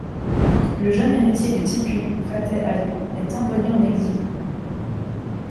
Le jeune héritier de Tipû, Fateh Alî, est envoyé en exil.